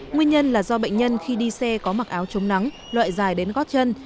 nguyên nhân là do bệnh nhân khi đi xe có mặc áo chống nắng loại dài đến gót chân